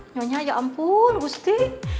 nyonya ya ampun gusti